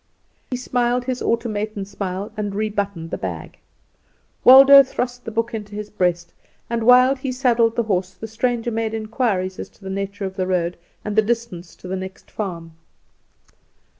He smiled his automaton smile, and rebuttoned the bag. Waldo thrust the book into his breast, and while he saddled the horse the stranger made inquiries as to the nature of the road and the distance to the next farm.